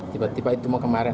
tiba tiba itu mau kemarin